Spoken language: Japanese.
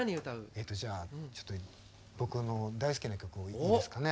えっとじゃあちょっと僕の大好きな曲をいいですかね。